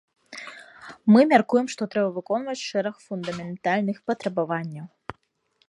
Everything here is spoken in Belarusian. Мы мяркуем, што трэба выконваць шэраг фундаментальных патрабаванняў.